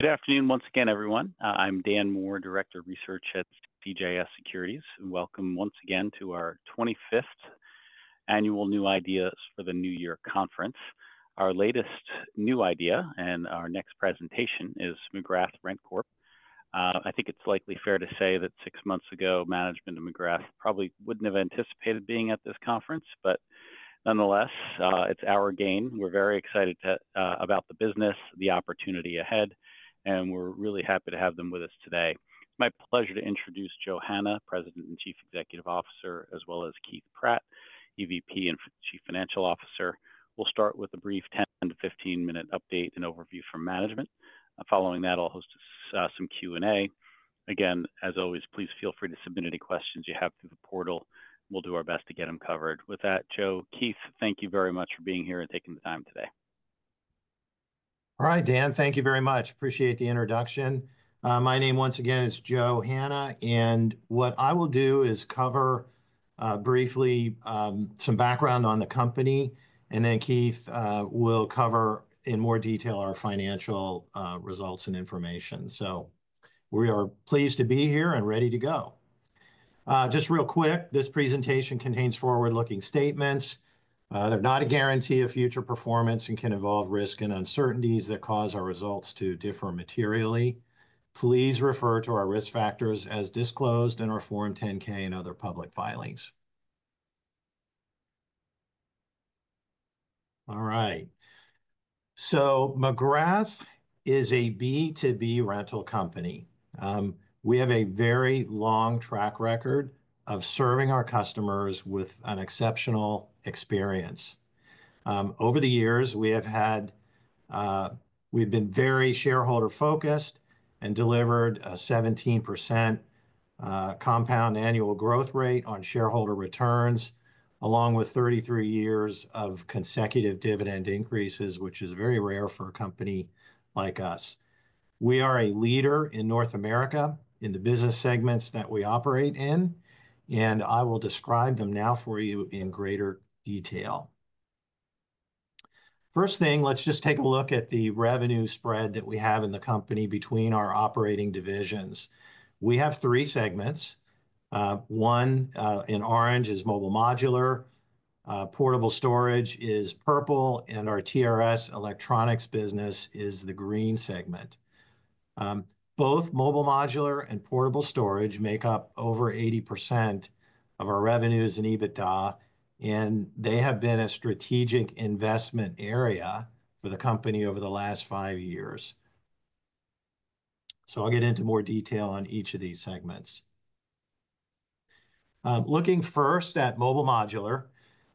Good afternoon once again, everyone. I'm Dan Moore, Director of Research at CJS Securities, and welcome once again to our 25th annual New Ideas for the New Year Conference. Our latest new idea and our next presentation is McGrath RentCorp. I think it's likely fair to say that six months ago, management of McGrath probably wouldn't have anticipated being at this conference, but nonetheless, it's our gain. We're very excited about the business, the opportunity ahead, and we're really happy to have them with us today. It's my pleasure to introduce Joe Hanna, President and Chief Executive Officer, as well as Keith Pratt, EVP and Chief Financial Officer. We'll start with a brief 10- to 15-minute update and overview from management. Following that, I'll host some Q&A. Again, as always, please feel free to submit any questions you have through the portal. We'll do our best to get them covered. With that, Joe, Keith, thank you very much for being here and taking the time today. All right, Dan, thank you very much. Appreciate the introduction. My name once again is Joe Hanna, and what I will do is cover briefly some background on the company, and then Keith will cover in more detail our financial results and information. So we are pleased to be here and ready to go. Just real quick, this presentation contains forward-looking statements. They're not a guarantee of future performance and can involve risk and uncertainties that cause our results to differ materially. Please refer to our risk factors as disclosed in our Form 10-K and other public filings. All right. So McGrath is a B2B rental company. We have a very long track record of serving our customers with an exceptional experience. Over the years, we have had, we've been very shareholder focused and delivered a 17% compound annual growth rate on shareholder returns, along with 33 years of consecutive dividend increases, which is very rare for a company like us. We are a leader in North America in the business segments that we operate in, and I will describe them now for you in greater detail. First thing, let's just take a look at the revenue spread that we have in the company between our operating divisions. We have three segments. One in orange is Mobile Modular. Portable storage is purple, and our TRS electronics business is the green segment. Both Mobile Modular and Portable Storage make up over 80% of our revenues and EBITDA, and they have been a strategic investment area for the company over the last five years. I'll get into more detail on each of these segments. Looking first at Mobile Modular,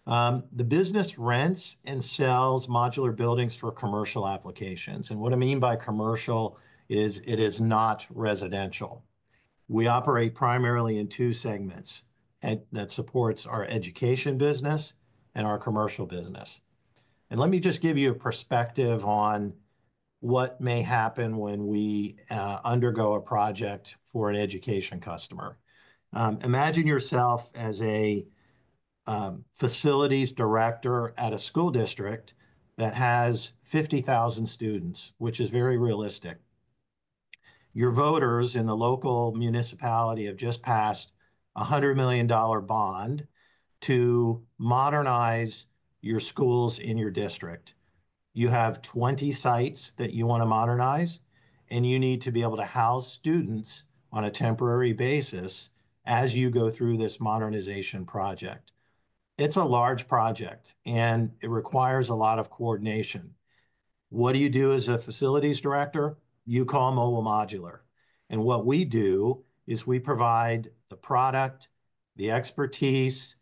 the business rents and sells modular buildings for commercial applications. What I mean by commercial is it is not residential. We operate primarily in two segments that support our Education business and our Commercial business. Let me just give you a perspective on what may happen when we undergo a project for an education customer. Imagine yourself as a facilities director at a school district that has 50,000 students, which is very realistic. Your voters in the local municipality have just passed a $100 million bond to modernize your schools in your district. You have 20 sites that you want to modernize, and you need to be able to house students on a temporary basis as you go through this modernization project. It's a large project, and it requires a lot of coordination. What do you do as a facilities director? You call Mobile Modular. And what we do is we provide the product, the expertise,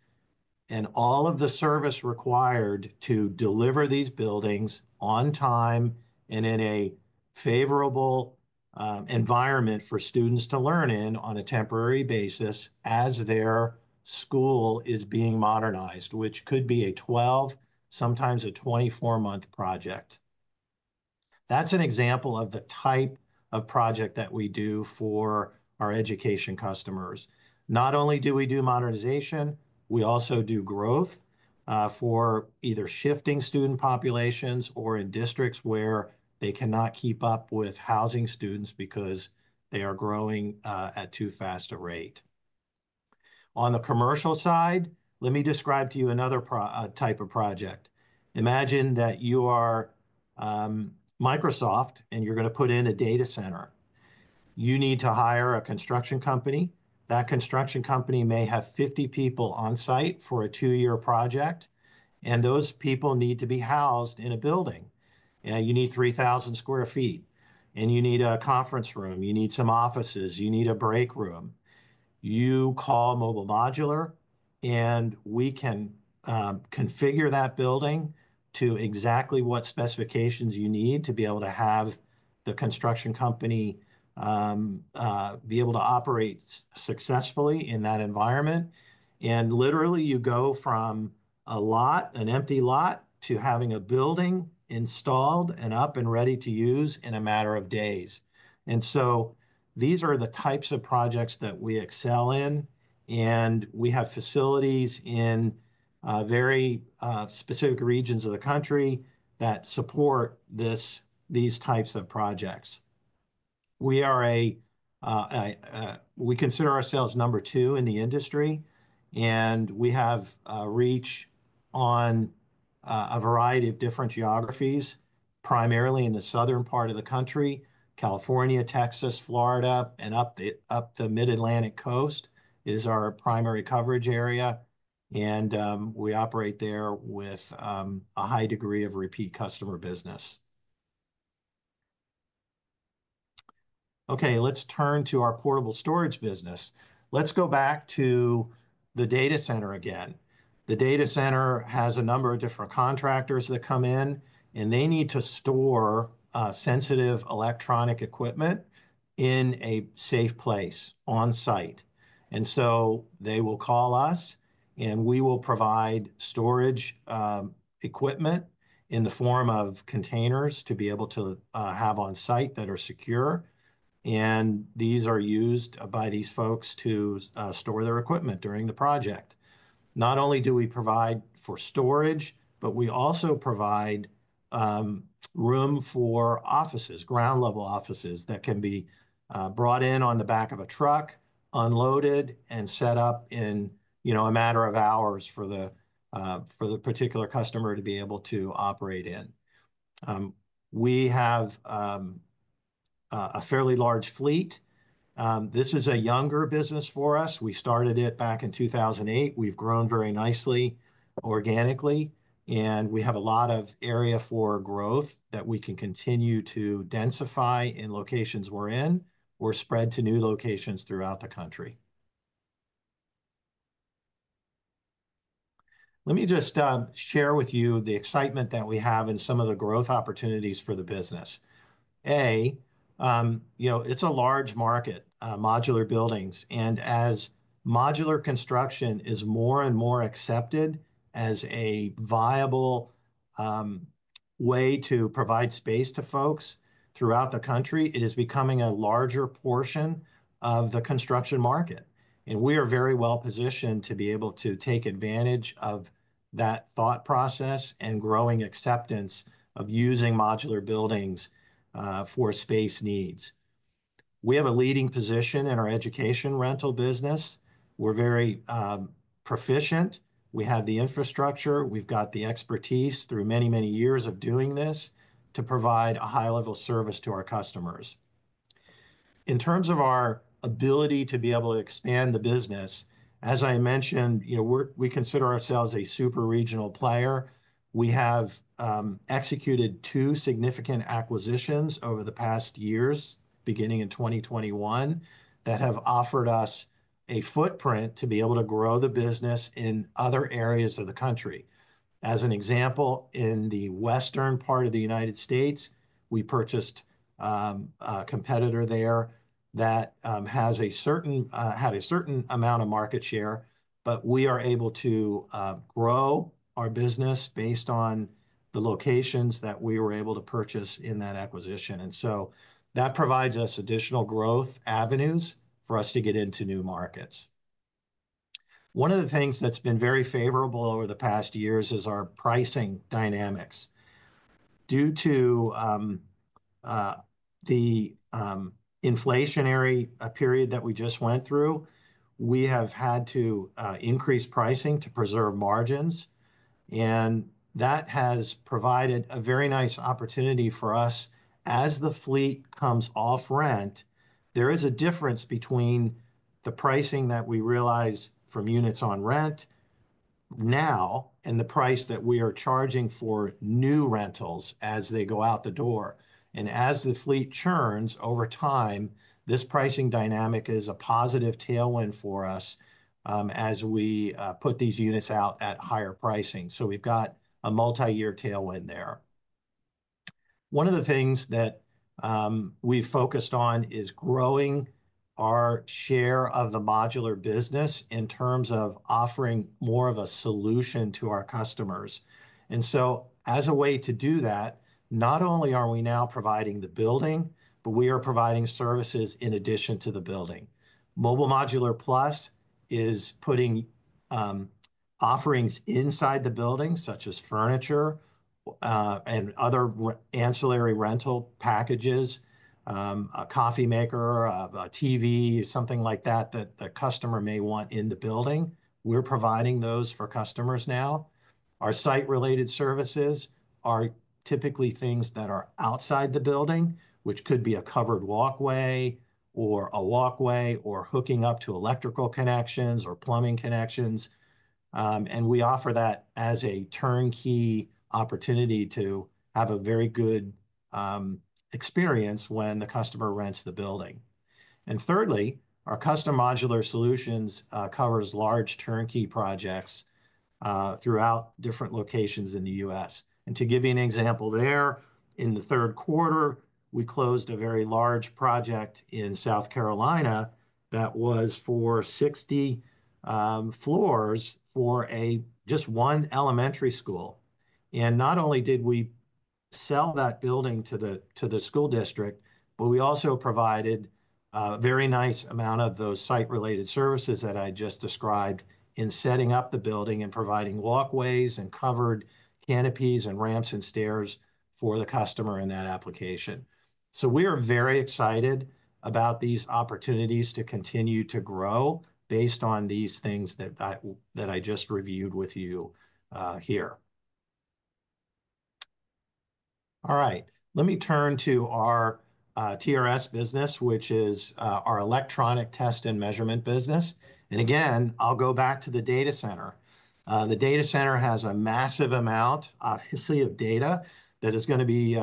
and all of the service required to deliver these buildings on time and in a favorable environment for students to learn in on a temporary basis as their school is being modernized, which could be a 12, sometimes a 24-month project. That's an example of the type of project that we do for our education customers. Not only do we do modernization, we also do growth for either shifting student populations or in districts where they cannot keep up with housing students because they are growing at too fast a rate. On the commercial side, let me describe to you another type of project. Imagine that you are Microsoft and you're going to put in a data center. You need to hire a construction company. That construction company may have 50 people on site for a two-year project, and those people need to be housed in a building. You need 3,000 sq ft, and you need a conference room. You need some offices. You need a break room. You call Mobile Modular, and we can configure that building to exactly what specifications you need to be able to have the construction company be able to operate successfully in that environment. And literally, you go from a lot, an empty lot, to having a building installed and up and ready to use in a matter of days. These are the types of projects that we excel in, and we have facilities in very specific regions of the country that support these types of projects. We are a, we consider ourselves number two in the industry, and we have reach on a variety of different geographies, primarily in the southern part of the country, California, Texas, Florida, and up the Mid-Atlantic coast is our primary coverage area. We operate there with a high degree of repeat customer business. Okay, let's turn to our Portable Storage business. Let's go back to the data center again. The data center has a number of different contractors that come in, and they need to store sensitive electronic equipment in a safe place on site. And so they will call us, and we will provide storage equipment in the form of containers to be able to have on site that are secure. And these are used by these folks to store their equipment during the project. Not only do we provide for storage, but we also provide room for offices, ground-level offices that can be brought in on the back of a truck, unloaded, and set up in a matter of hours for the particular customer to be able to operate in. We have a fairly large fleet. This is a younger business for us. We started it back in 2008. We've grown very nicely organically, and we have a lot of area for growth that we can continue to densify in locations we're in or spread to new locations throughout the country. Let me just share with you the excitement that we have in some of the growth opportunities for the business. It's a large market, modular buildings. As modular construction is more and more accepted as a viable way to provide space to folks throughout the country, it is becoming a larger portion of the construction market, and we are very well positioned to be able to take advantage of that thought process and growing acceptance of using modular buildings for space needs. We have a leading position in our education rental business. We're very proficient. We have the infrastructure. We've got the expertise through many, many years of doing this to provide a high-level service to our customers. In terms of our ability to be able to expand the business, as I mentioned, we consider ourselves a super regional player. We have executed two significant acquisitions over the past years, beginning in 2021, that have offered us a footprint to be able to grow the business in other areas of the country. As an example, in the western part of the United States, we purchased a competitor there that had a certain amount of market share, but we are able to grow our business based on the locations that we were able to purchase in that acquisition. And so that provides us additional growth avenues for us to get into new markets. One of the things that's been very favorable over the past years is our pricing dynamics. Due to the inflationary period that we just went through, we have had to increase pricing to preserve margins. And that has provided a very nice opportunity for us. As the fleet comes off rent, there is a difference between the pricing that we realize from units on rent now and the price that we are charging for new rentals as they go out the door. And as the fleet churns over time, this pricing dynamic is a positive tailwind for us as we put these units out at higher pricing. So we've got a multi-year tailwind there. One of the things that we've focused on is growing our share of the modular business in terms of offering more of a solution to our customers. And so as a way to do that, not only are we now providing the building, but we are providing services in addition to the building. Mobile Modular Plus is putting offerings inside the building, such as furniture and other ancillary rental packages, a coffee maker, a TV, something like that that the customer may want in the building. We're providing those for customers now. Our Site Related Services are typically things that are outside the building, which could be a covered walkway or a walkway or hooking up to electrical connections or plumbing connections. And we offer that as a turnkey opportunity to have a very good experience when the customer rents the building. And thirdly, our Custom Modular Solutions cover large turnkey projects throughout different locations in the U.S. And to give you an example there, in the third quarter, we closed a very large project in South Carolina that was for 60 floors for just one elementary school. Not only did we sell that building to the school district, but we also provided a very nice amount of those Site Related Services that I just described in setting up the building and providing walkways and covered canopies and ramps and stairs for the customer in that application. We are very excited about these opportunities to continue to grow based on these things that I just reviewed with you here. All right. Let me turn to our TRS business, which is our electronic test and measurement business. Again, I'll go back to the data center. The data center has a massive amount, a history of data that is going to be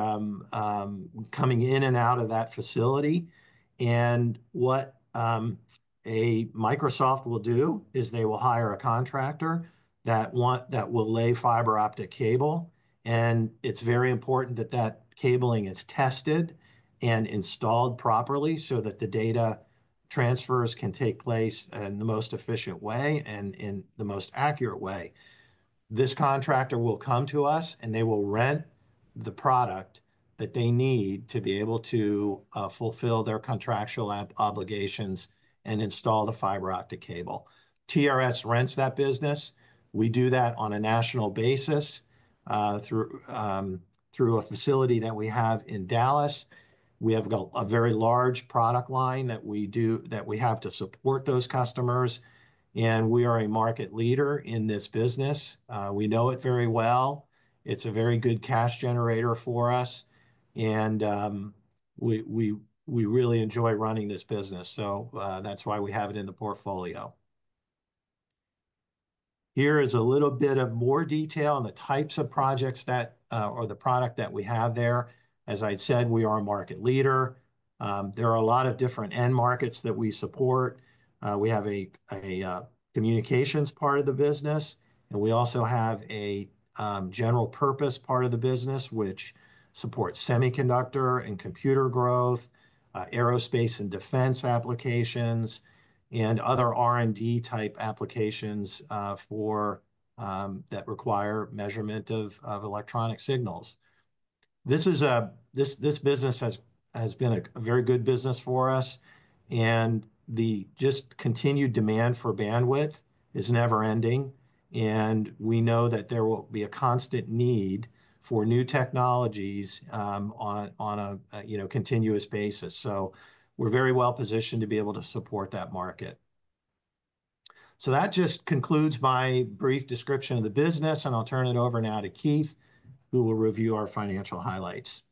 coming in and out of that facility. What Microsoft will do is they will hire a contractor that will lay fiber optic cable. It's very important that that cabling is tested and installed properly so that the data transfers can take place in the most efficient way and in the most accurate way. This contractor will come to us, and they will rent the product that they need to be able to fulfill their contractual obligations and install the fiber optic cable. TRS rents that business. We do that on a national basis through a facility that we have in Dallas. We have a very large product line that we have to support those customers. We are a market leader in this business. We know it very well. It's a very good cash generator for us. We really enjoy running this business. That's why we have it in the portfolio. Here is a little bit of more detail on the types of projects or the product that we have there. As I said, we are a market leader. There are a lot of different end markets that we support. We have a communications part of the business, and we also have a general purpose part of the business, which supports semiconductor and computer growth, aerospace and defense applications, and other R&D type applications that require measurement of electronic signals. This business has been a very good business for us, and the continued demand for bandwidth is never-ending, and we know that there will be a constant need for new technologies on a continuous basis, so we're very well positioned to be able to support that market, so that just concludes my brief description of the business. I'll turn it over now to Keith, who will review our financial highlights.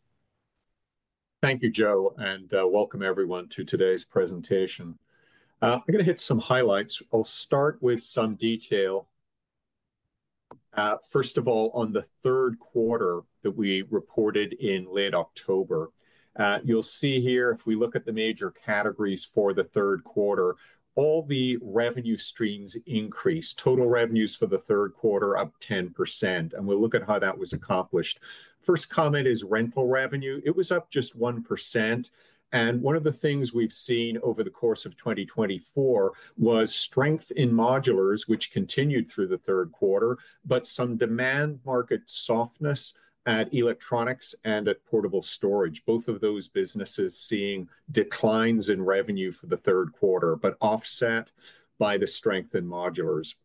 Thank you, Joe. Welcome everyone to today's presentation. I'm going to hit some highlights. I'll start with some detail. First of all, on the third quarter that we reported in late October, you'll see here, if we look at the major categories for the third quarter, all the revenue streams increased. Total revenues for the third quarter up 10%. We'll look at how that was accomplished. First comment is rental revenue. It was up just 1%. One of the things we've seen over the course of 2024 was strength in modulars, which continued through the third quarter, but some demand market softness at electronics and at Portable Storage. Both of those businesses seeing declines in revenue for the third quarter, but offset by the strength in modulars.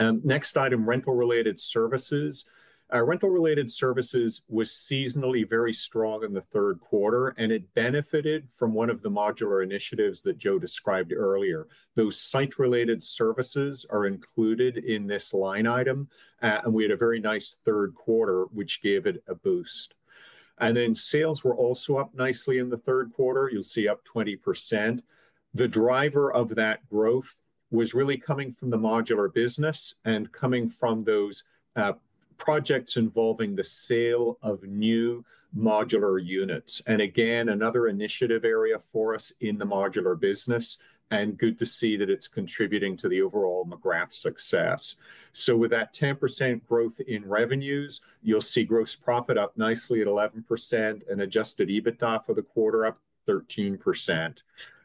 Next item, rental-related services. Rental-related services was seasonally very strong in the third quarter, and it benefited from one of the modular initiatives that Joe described earlier. Those Site Related Services are included in this line item. And we had a very nice third quarter, which gave it a boost. And then sales were also up nicely in the third quarter. You'll see up 20%. The driver of that growth was really coming from the modular business and coming from those projects involving the sale of new modular units. And again, another initiative area for us in the modular business. And good to see that it's contributing to the overall McGrath success. So with that 10% growth in revenues, you'll see gross profit up nicely at 11% and Adjusted EBITDA for the quarter up 13%.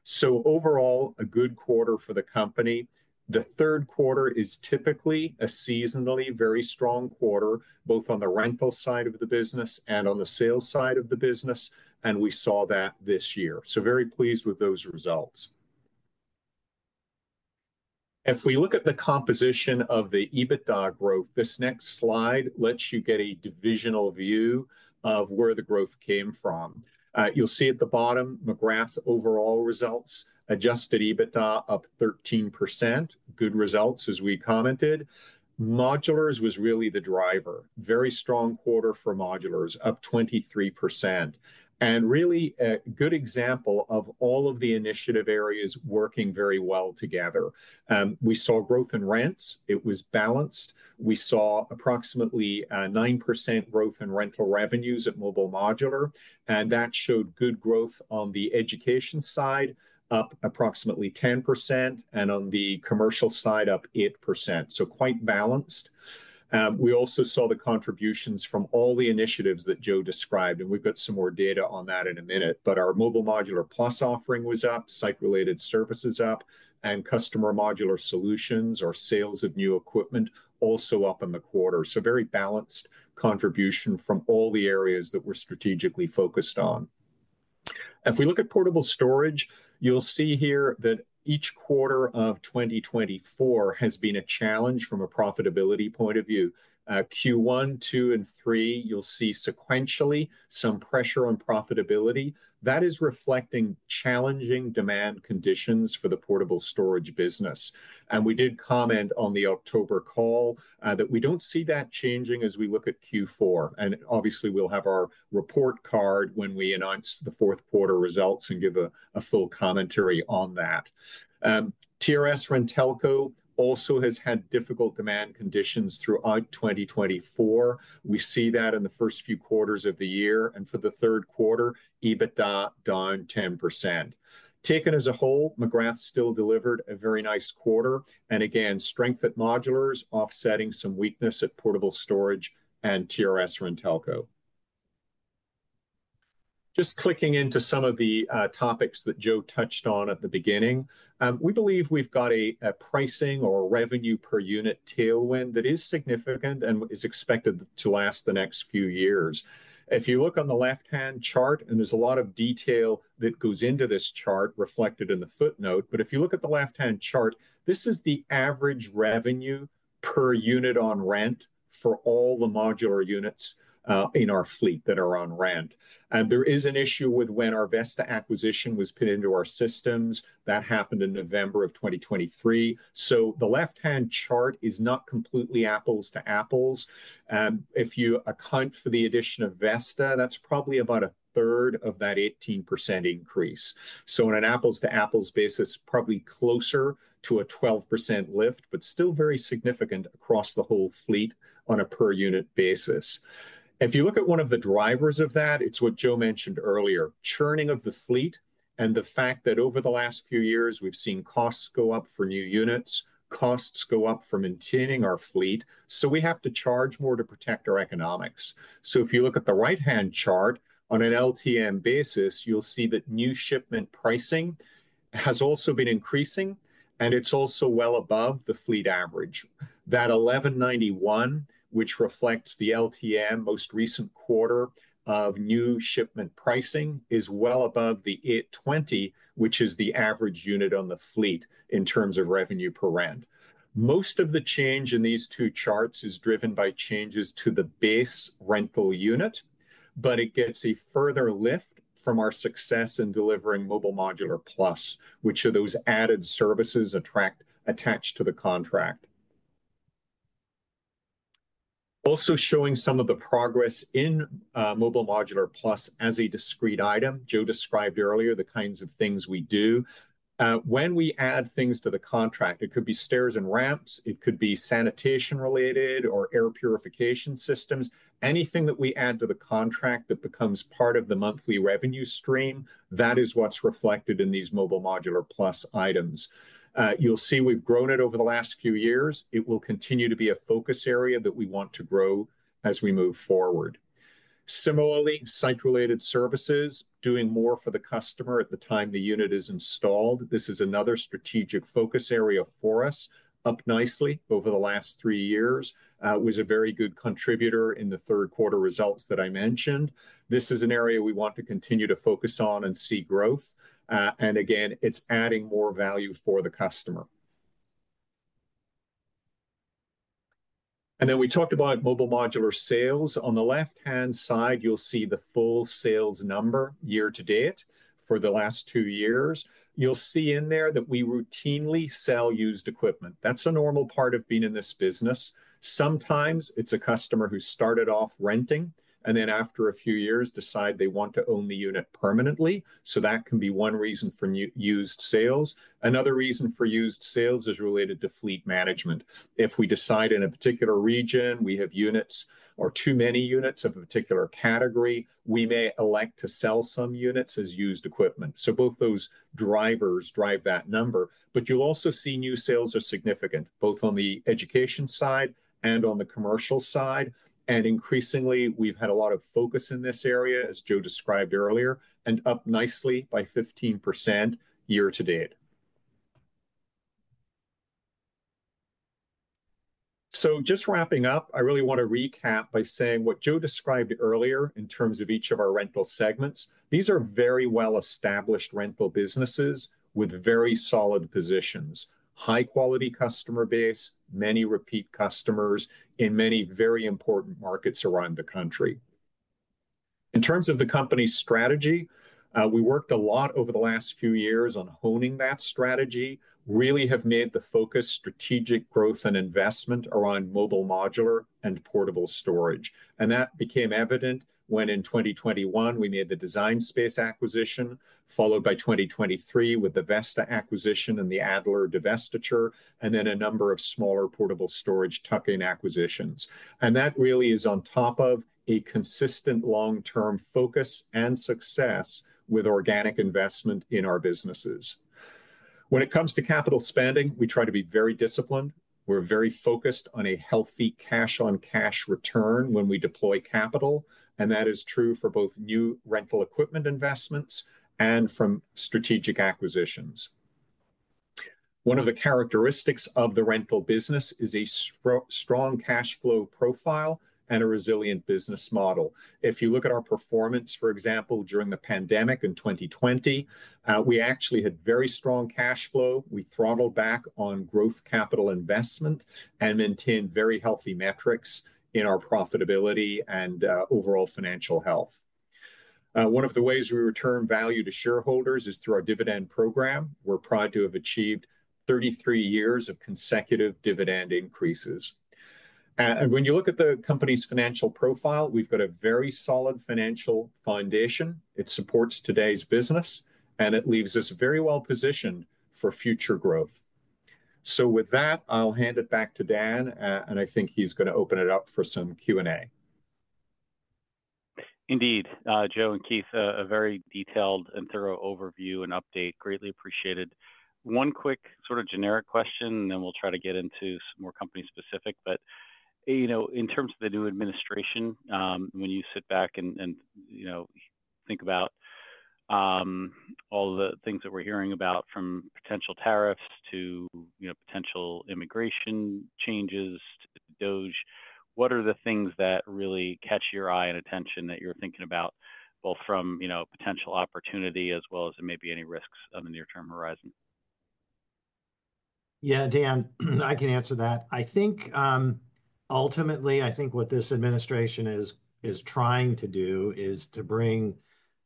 So overall, a good quarter for the company. The third quarter is typically a seasonally very strong quarter, both on the rental side of the business and on the sales side of the business. And we saw that this year. So very pleased with those results. If we look at the composition of the EBITDA growth, this next slide lets you get a divisional view of where the growth came from. You'll see at the bottom, McGrath overall results, adjusted EBITDA up 13%. Good results, as we commented. Modulars was really the driver. Very strong quarter for modulars, up 23%. And really a good example of all of the initiative areas working very well together. We saw growth in rents. It was balanced. We saw approximately 9% growth in rental revenues at mobile modular. And that showed good growth on the education side, up approximately 10%, and on the commercial side, up 8%. So quite balanced. We also saw the contributions from all the initiatives that Joe described. We've got some more data on that in a minute. Our Mobile Modular Plus offering was up, Site Related Services up, and Custom Modular Solutions or sales of new equipment also up in the quarter. Very balanced contribution from all the areas that we're strategically focused on. If we look at Portable Storage, you'll see here that each quarter of 2024 has been a challenge from a profitability point of view. Q1, Q2, and Q3, you'll see sequentially some pressure on profitability. That is reflecting challenging demand conditions for the Portable Storage business. We did comment on the October call that we don't see that changing as we look at Q4. Obviously, we'll have our report card when we announce the fourth quarter results and give a full commentary on that. TRS-RenTelco also has had difficult demand conditions throughout 2024. We see that in the first few quarters of the year. And for the third quarter, EBITDA down 10%. Taken as a whole, McGrath still delivered a very nice quarter. And again, strength at modulars, offsetting some weakness at Portable Storage and TRS-RenTelco. Just clicking into some of the topics that Joe touched on at the beginning. We believe we've got a pricing or revenue per unit tailwind that is significant and is expected to last the next few years. If you look on the left-hand chart, and there's a lot of detail that goes into this chart reflected in the footnote, but if you look at the left-hand chart, this is the average revenue per unit on rent for all the modular units in our fleet that are on rent. There is an issue with when our Vesta acquisition was put into our systems. That happened in November of 2023. The left-hand chart is not completely apples to apples. If you account for the addition of Vesta, that's probably about a third of that 18% increase. On an apples to apples basis, probably closer to a 12% lift, but still very significant across the whole fleet on a per unit basis. If you look at one of the drivers of that, it's what Joe mentioned earlier, churning of the fleet and the fact that over the last few years, we've seen costs go up for new units, costs go up from maintaining our fleet. We have to charge more to protect our economics. If you look at the right-hand chart, on an LTM basis, you'll see that new shipment pricing has also been increasing, and it's also well above the fleet average. That $1,191, which reflects the LTM most recent quarter of new shipment pricing, is well above the $820, which is the average unit on the fleet in terms of revenue per rent. Most of the change in these two charts is driven by changes to the base rental unit, but it gets a further lift from our success in delivering Mobile Modular Plus, which are those added services attached to the contract. Also showing some of the progress in Mobile Modular Plus as a discrete item. Joe described earlier the kinds of things we do. When we add things to the contract, it could be stairs and ramps. It could be sanitation-related or air purification systems. Anything that we add to the contract that becomes part of the monthly revenue stream, that is what's reflected in these Mobile Modular Plus items. You'll see we've grown it over the last few years. It will continue to be a focus area that we want to grow as we move forward. Similarly, Site Related Services, doing more for the customer at the time the unit is installed. This is another strategic focus area for us, up nicely over the last three years. It was a very good contributor in the third quarter results that I mentioned. This is an area we want to continue to focus on and see growth. And again, it's adding more value for the customer. And then we talked about Mobile Modular sales. On the left-hand side, you'll see the full sales number year-to-date for the last two years. You'll see in there that we routinely sell used equipment. That's a normal part of being in this business. Sometimes it's a customer who started off renting and then after a few years decide they want to own the unit permanently. So that can be one reason for used sales. Another reason for used sales is related to fleet management. If we decide in a particular region, we have units or too many units of a particular category, we may elect to sell some units as used equipment. So both those drivers drive that number. But you'll also see new sales are significant, both on the education side and on the commercial side, and increasingly, we've had a lot of focus in this area, as Joe described earlier, and up nicely by 15% year-to-date. So just wrapping up, I really want to recap by saying what Joe described earlier in terms of each of our rental segments. These are very well-established rental businesses with very solid positions, high-quality customer base, many repeat customers in many very important markets around the country. In terms of the company's strategy, we worked a lot over the last few years on honing that strategy, really have made the focus strategic growth and investment around Mobile Modular and Portable Storage. And that became evident when in 2021, we made the Design Space acquisition, followed by 2023 with the Vesta acquisition and the Adler divestiture, and then a number of smaller Portable Storage tuck-in acquisitions. And that really is on top of a consistent long-term focus and success with organic investment in our businesses. When it comes to capital spending, we try to be very disciplined. We're very focused on a healthy cash-on-cash return when we deploy capital. That is true for both new rental equipment investments and from strategic acquisitions. One of the characteristics of the rental business is a strong cash flow profile and a resilient business model. If you look at our performance, for example, during the pandemic in 2020, we actually had very strong cash flow. We throttled back on growth capital investment and maintained very healthy metrics in our profitability and overall financial health. One of the ways we return value to shareholders is through our dividend program. We're proud to have achieved 33 years of consecutive dividend increases. When you look at the company's financial profile, we've got a very solid financial foundation. It supports today's business, and it leaves us very well positioned for future growth. So with that, I'll hand it back to Dan, and I think he's going to open it up for some Q&A. Indeed, Joe and Keith, a very detailed and thorough overview and update. Greatly appreciated. One quick sort of generic question, and then we'll try to get into some more company-specific. But in terms of the new administration, when you sit back and think about all the things that we're hearing about from potential tariffs to potential immigration changes to DOGE, what are the things that really catch your eye and attention that you're thinking about, both from potential opportunity as well as maybe any risks on the near-term horizon? Yeah, Dan, I can answer that. I think ultimately, I think what this administration is trying to do is to bring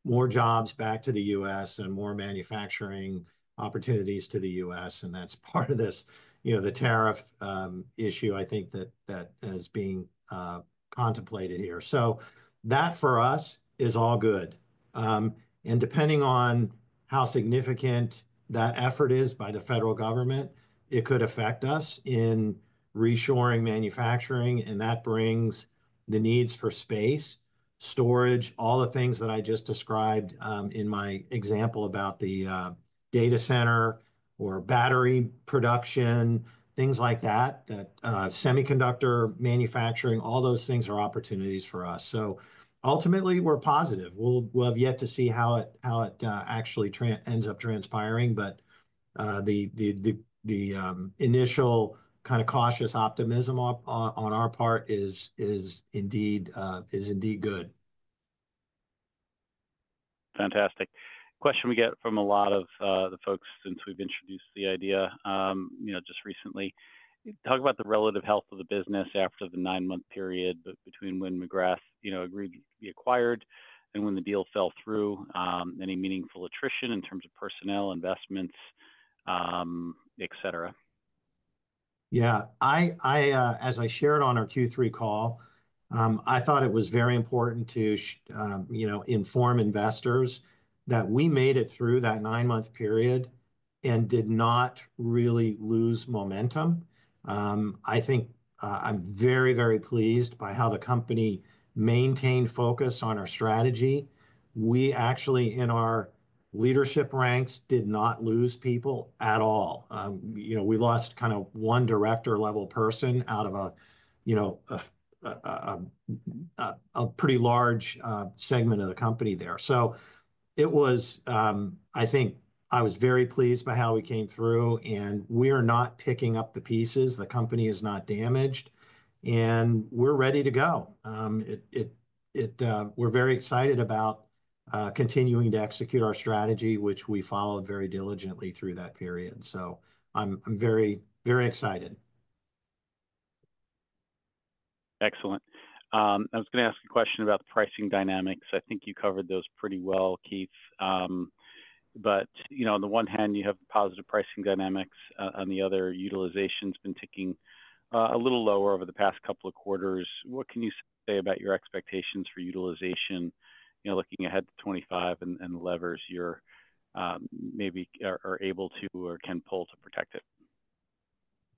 more jobs back to the U.S. and more manufacturing opportunities to the U.S. And that's part of the tariff issue, I think, that is being contemplated here. So that for us is all good. And depending on how significant that effort is by the federal government, it could affect us in reshoring manufacturing. And that brings the needs for space, storage, all the things that I just described in my example about the data center or battery production, things like that, that semiconductor manufacturing, all those things are opportunities for us. So ultimately, we're positive. We'll have yet to see how it actually ends up transpiring. But the initial kind of cautious optimism on our part is indeed good. Fantastic. Question we get from a lot of the folks since we've introduced the idea just recently. Talk about the relative health of the business after the nine-month period between when McGrath agreed to be acquired and when the deal fell through. Any meaningful attrition in terms of personnel, investments, etc.? Yeah. As I shared on our Q3 call, I thought it was very important to inform investors that we made it through that nine-month period and did not really lose momentum. I think I'm very, very pleased by how the company maintained focus on our strategy. We actually, in our leadership ranks, did not lose people at all. We lost kind of one director-level person out of a pretty large segment of the company there. So it was, I think, I was very pleased by how we came through. And we are not picking up the pieces. The company is not damaged. And we're ready to go. We're very excited about continuing to execute our strategy, which we followed very diligently through that period. So I'm very, very excited. Excellent. I was going to ask a question about the pricing dynamics. I think you covered those pretty well, Keith. But on the one hand, you have positive pricing dynamics. On the other, utilization has been ticking a little lower over the past couple of quarters. What can you say about your expectations for utilization, looking ahead to 2025 and levers you maybe are able to or can pull to protect it?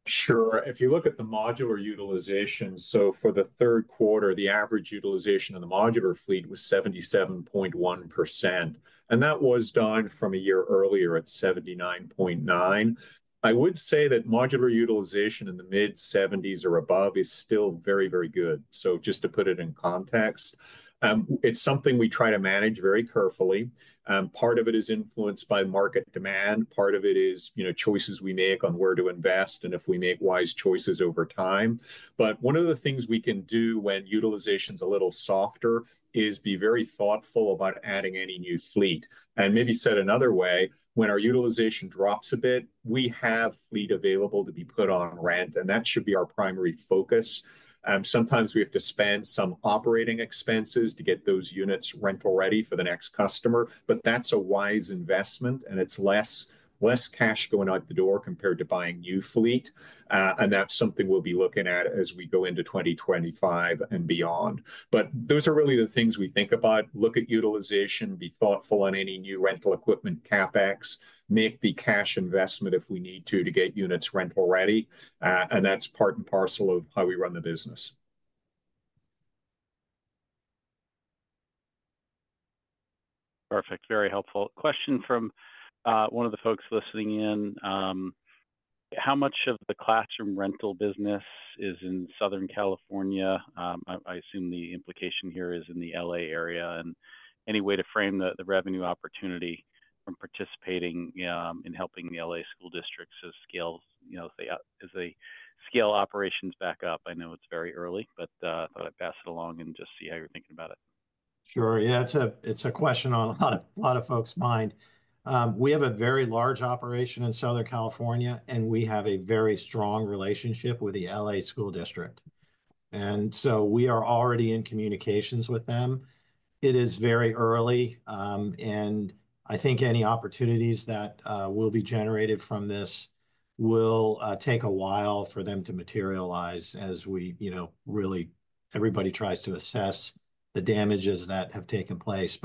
Sure. If you look at the modular utilization, so for the third quarter, the average utilization of the modular fleet was 77.1%. And that was down from a year earlier at 79.9%. I would say that modular utilization in the mid-70s or above is still very, very good. So just to put it in context, it's something we try to manage very carefully. Part of it is influenced by market demand. Part of it is choices we make on where to invest and if we make wise choices over time. But one of the things we can do when utilization is a little softer is be very thoughtful about adding any new fleet. And maybe said another way, when our utilization drops a bit, we have fleet available to be put on rent. And that should be our primary focus. Sometimes we have to spend some operating expenses to get those units rental-ready for the next customer. But that's a wise investment. And it's less cash going out the door compared to buying new fleet. And that's something we'll be looking at as we go into 2025 and beyond. But those are really the things we think about. Look at utilization, be thoughtful on any new rental equipment CapEx, make the cash investment if we need to get units rental-ready. And that's part and parcel of how we run the business. Perfect. Very helpful. Question from one of the folks listening in. How much of the classroom rental business is in Southern California? I assume the implication here is in the L.A. area. And any way to frame the revenue opportunity from participating in helping the L.A. school districts as they scale operations back up? I know it's very early, but I thought I'd pass it along and just see how you're thinking about it. Sure. Yeah, it's a question on a lot of folks' mind. We have a very large operation in Southern California, and we have a very strong relationship with the L.A. school district. And so we are already in communications with them. It is very early. And I think any opportunities that will be generated from this will take a while for them to materialize as really everybody tries to assess the damages that have taken place.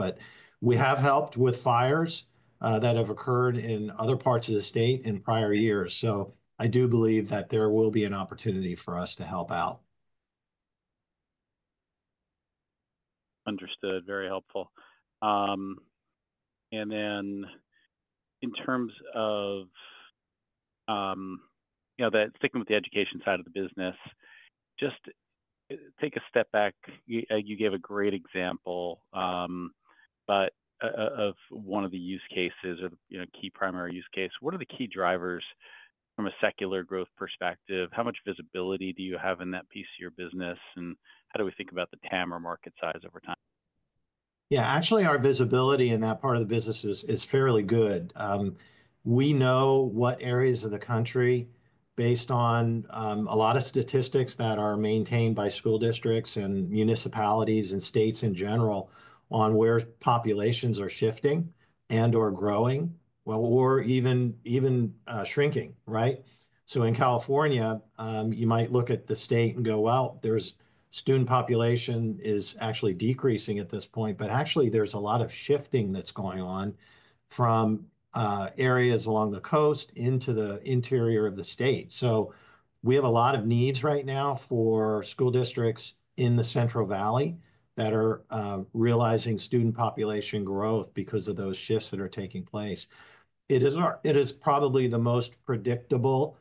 We have helped with fires that have occurred in other parts of the state in prior years. So I do believe that there will be an opportunity for us to help out. Understood. Very helpful. And then in terms of sticking with the education side of the business, just take a step back. You gave a great example of one of the use cases or the key primary use case. What are the key drivers from a secular growth perspective? How much visibility do you have in that piece of your business? And how do we think about the TAM or market size over time? Yeah, actually, our visibility in that part of the business is fairly good. We know what areas of the country based on a lot of statistics that are maintained by school districts and municipalities and states in general on where populations are shifting and/or growing or even shrinking, right? So in California, you might look at the state and go, "Well, the student population is actually decreasing at this point." But actually, there's a lot of shifting that's going on from areas along the coast into the interior of the state. So we have a lot of needs right now for school districts in the Central Valley that are realizing student population growth because of those shifts that are taking place. It is probably the most predictable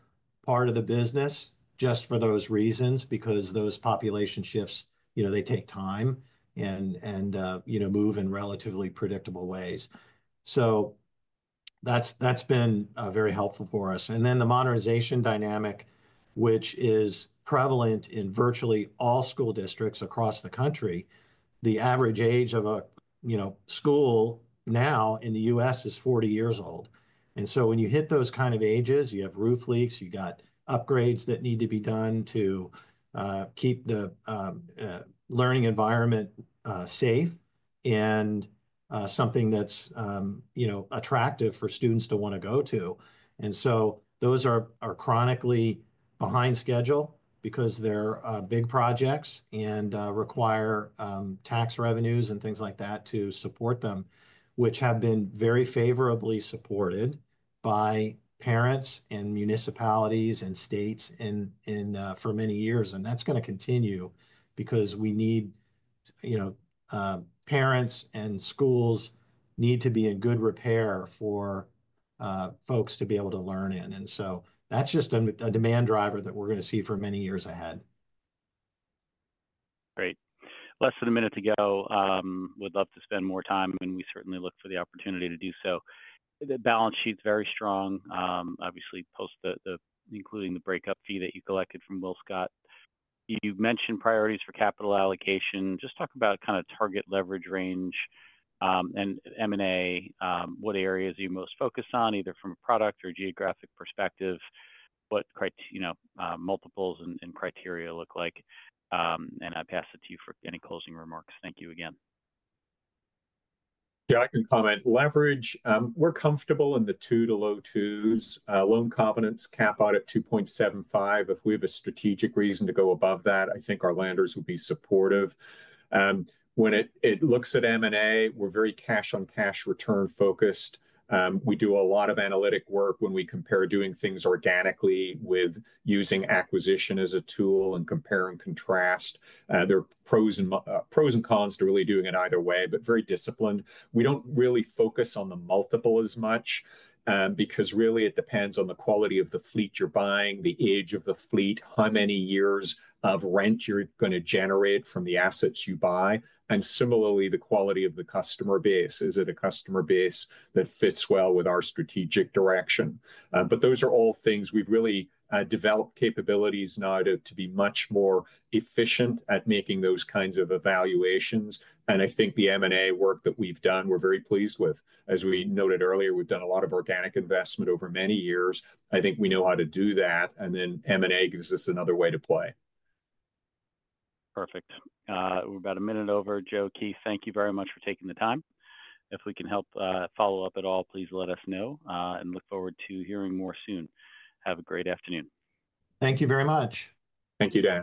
part of the business just for those reasons because those population shifts, they take time and move in relatively predictable ways. So that's been very helpful for us. And then the modernization dynamic, which is prevalent in virtually all school districts across the country, the average age of a school now in the U.S. is 40 years old. And so when you hit those kind of ages, you have roof leaks, you've got upgrades that need to be done to keep the learning environment safe and something that's attractive for students to want to go to. And so those are chronically behind schedule because they're big projects and require tax revenues and things like that to support them, which have been very favorably supported by parents and municipalities and states for many years. And that's going to continue because we need parents and schools need to be in good repair for folks to be able to learn in. And so that's just a demand driver that we're going to see for many years ahead. Great. Less than a minute to go. Would love to spend more time, and we certainly look forward to the opportunity to do so. The balance sheet is very strong, obviously, including the breakup fee that you collected from WillScot. You mentioned priorities for capital allocation. Just talk about kind of target leverage range and M&A. What areas are you most focused on, either from a product or geographic perspective? What multiples and criteria look like? And I pass it to you for any closing remarks. Thank you again. Yeah, I can comment. Leverage, we're comfortable in the two to low twos. Loan covenants capped at 2.75. If we have a strategic reason to go above that, I think our lenders would be supportive. When looking at M&A, we're very cash-on-cash return focused. We do a lot of analytic work when we compare doing things organically with using acquisition as a tool and compare and contrast. There are pros and cons to really doing it either way, but very disciplined. We don't really focus on the multiple as much because really it depends on the quality of the fleet you're buying, the age of the fleet, how many years of rent you're going to generate from the assets you buy, and similarly, the quality of the customer base. Is it a customer base that fits well with our strategic direction? But those are all things we've really developed capabilities now to be much more efficient at making those kinds of evaluations, and I think the M&A work that we've done, we're very pleased with. As we noted earlier, we've done a lot of organic investment over many years. I think we know how to do that. And then M&A gives us another way to play. Perfect. We're about a minute over. Joe, Keith, thank you very much for taking the time. If we can help follow up at all, please let us know. And look forward to hearing more soon. Have a great afternoon. Thank you very much. Thank you, Dan.